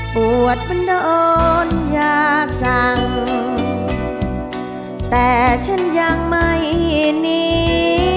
ปวดมันนอนยาสั่งแต่ฉันยังไม่หนี